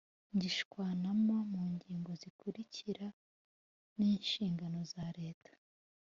ngishwanama mu ngingo zikurikira n inshingano za leta